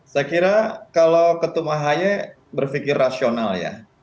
saya kira kalau ketum ahy berpikir rasional ya